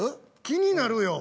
気になるよ。